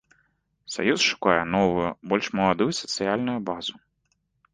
Саюз шукае новую, больш маладую сацыяльную базу.